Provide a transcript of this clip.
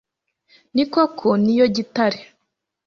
ni koko ni yo gitare